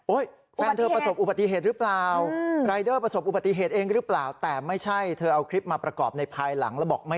โอ๊ยแฟนเธอประสบอุบัติเหตุรึเปล่า